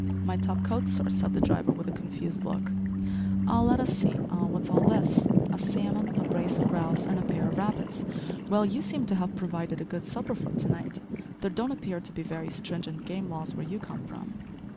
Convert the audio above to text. "My top coat sir," said the driver, with a confused look. "Ah, let us see eh! what's all this? A salmon! a brace of grouse! and a pair of rabbits! Well, you seem to have provided a good supper for to night. There don't appear to be very stringent game laws where you come from!"